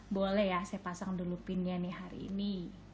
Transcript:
boleh ya saya pasang dulu pinnya nih hari ini